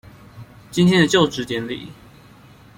今天的就職典禮